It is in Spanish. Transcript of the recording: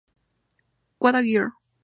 What a Girl!".